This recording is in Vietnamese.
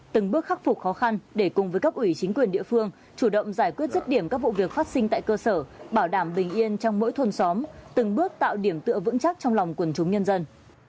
từng bước khắc phục khó khăn để cùng với cấp ủy chính quyền địa phương chủ động giải quyết rứt điểm các vụ việc phát sinh tại cơ sở bảo đảm bình yên trong mỗi thôn xóm từng bước tạo điểm tựa vững chắc trong lòng quần chúng nhân dân